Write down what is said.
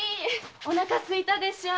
おなかすいたでしょう。